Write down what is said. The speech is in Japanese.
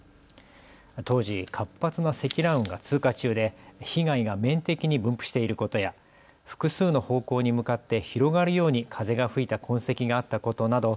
当時、活発な積乱雲が通過中で被害が面的に分布していることや複数の方向に向かって広がるように風が吹いた痕跡があったことなど